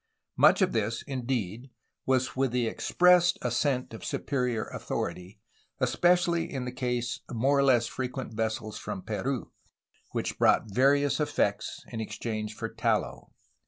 Much of this, indeed, was with the ex pressed assent of superior authority, especially in case of the more or less frequent vessels from Peni, which brought various effects in exchange for tallow.